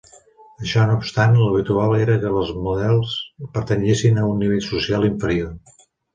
Això no obstant, l'habitual era que les models pertanyessin a un nivell social inferior.